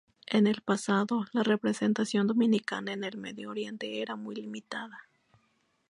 En el pasado, la representación dominicana en el Medio Oriente era muy limitada.